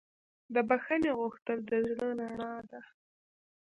د بښنې غوښتل د زړه رڼا ده.